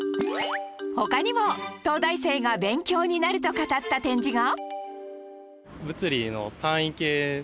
他にも東大生が勉強になると語った展示が